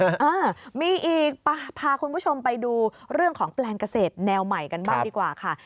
เออมีอีกพาคุณผู้ชมไปดูเรื่องของแปลงเกษตรแนวใหม่กันบ้างดีกว่าค่ะ